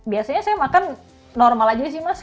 biasanya saya makan normal aja sih mas